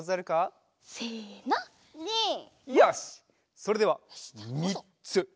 それではみっつ。